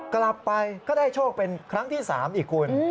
กลับไปก็ได้โชคเป็นครั้งที่๓อีกคุณ